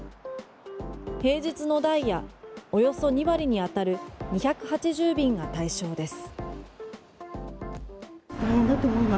平日のダイヤおよそ２割に当たる２８０便が対象です。